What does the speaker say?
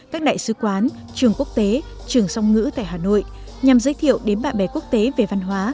các đại sứ quán trường quốc tế trường song ngữ tại hà nội nhằm giới thiệu đến bạn bè quốc tế về văn hóa